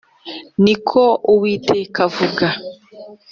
ni ko uwiteka avuga”